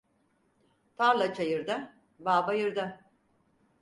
Tarla çayırda, bağ bayırda.